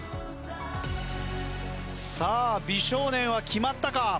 さあ美少年は決まったか？